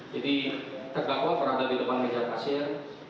jadi tergakul berada di depan meja kasir